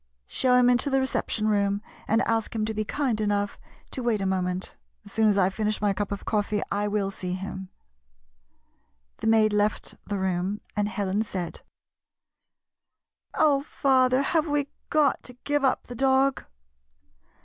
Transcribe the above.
Show him into the reception room, and ask him to be kind enough to wait a 4— Gypsy. GYPSY, THE TALKING DOG moment. As soon as I finish my cup of coffee I will see him." The maid left the room, and Helen said :" Oh, father, have we got to give up the dog?"